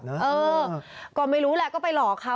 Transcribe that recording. เออก็ไม่รู้แหละก็ไปหลอกเขา